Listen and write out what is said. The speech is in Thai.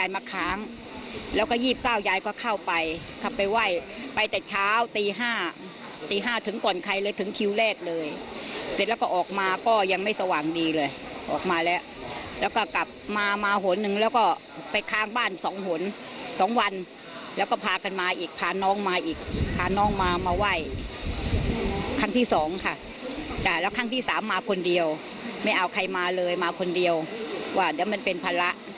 ไม่เอาใครมาเลยมาคนเดียวว่าเดี๋ยวมันเป็นภาระ